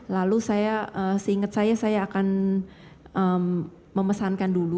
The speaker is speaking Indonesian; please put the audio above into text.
lalu saya seingat saya saya akan memesankan dulu